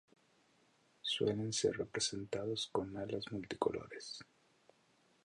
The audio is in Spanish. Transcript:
Suelen ser representados con alas multicolores.